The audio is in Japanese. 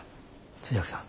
通訳さん。